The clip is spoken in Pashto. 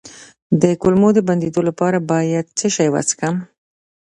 د کولمو د بندیدو لپاره باید څه شی وڅښم؟